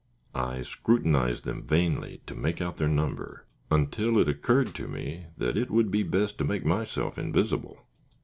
] I scrutinized them, vainly to make out their number, until it occurred to me that it would be best to make myself invisible.